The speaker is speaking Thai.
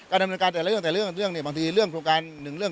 การทำเนินการแต่ละเมื่อก่อนแต่เรื่อง